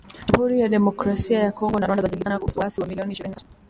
Jamuhuri ya Demokrasia ya Kongo na Rwanda zajibizana kuhusu waasi wa M ishirini na tatu